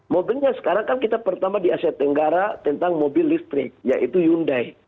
mobilnya sekarang kan kita pertama di asia tenggara tentang mobil listrik yaitu hyundai